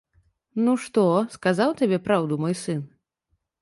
Ну, што, сказаў табе праўду мой сын?